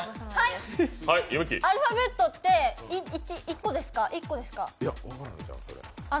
アルファベットって１個ですか？